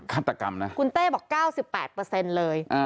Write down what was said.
ฆาตกรรมนะคุณเต้บอก๙๘เลย